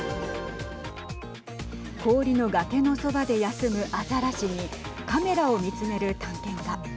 氷の崖のそばで休むあざらしにカメラを見つめる探検家。